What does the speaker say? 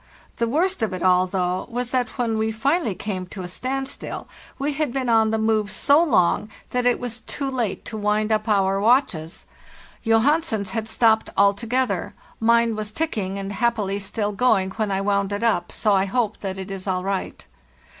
The worst of it all, though, was that when we finally came to a standstill we had been on the move so long that it was too late to wind up our 1) ai 162 FARLHEST NORD watches. Johansen's had stopped altogether; mine was ticking, and happily still going when I wound it up, so I hope that it is all right.